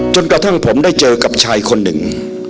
จนกระทั่งผมได้เจอกับชายคนหนึ่ง